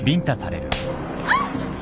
あっ！